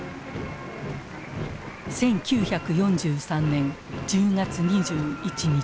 １９４３年１０月２１日。